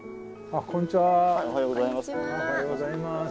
おはようございます。